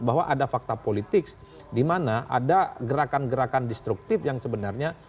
bahwa ada fakta politik di mana ada gerakan gerakan destruktif yang sebenarnya